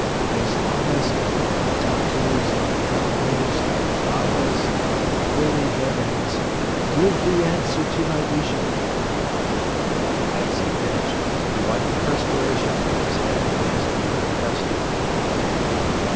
Wise Lamas, Hutuktus, Kanpos, Marambas and Holy Gheghens, give the answer to my vision!" As he finished, he wiped the perspiration from his head and asked who were present.